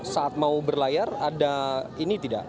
saat mau berlayar ada ini tidak